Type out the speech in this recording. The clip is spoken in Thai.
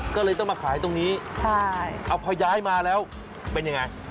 ก็เลยต้องมาขายตรงนี้เอาพอย้ายมาแล้วเป็นยังไง